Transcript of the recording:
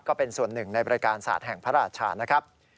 ก็เป็นส่วนหนึ่งในบริการศาสตร์แห่งพระราชานะครับ